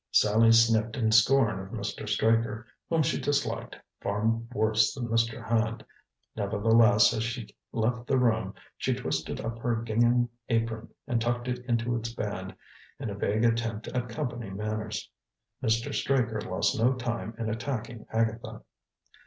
Sallie sniffed in scorn of Mr. Straker, whom she disliked far worse than Mr. Hand; nevertheless, as she left the room she twisted up her gingham apron and tucked it into its band in a vague attempt at company manners. Mr. Straker lost no time in attacking Agatha.